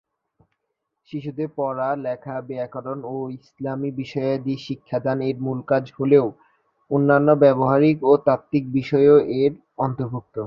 শিশুদের পড়া, লেখা, ব্যাকরণ ও ইসলামি বিষয়াদি শিক্ষাদান এর মূল কাজ হলেও অন্যান্য ব্যবহারিক ও তাত্ত্বিক বিষয়ও এর অন্তর্ভুক্ত।